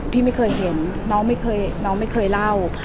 พี่ไม่เคยเห็นน้องไม่เคยเล่า